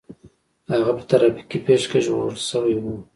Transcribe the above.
هغه په ټرافيکي پېښه کې ژغورل شوی و